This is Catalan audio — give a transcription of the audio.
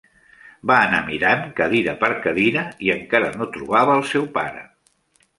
Va anar mirant, cadira per cadira, i encara no trobava el seu pare.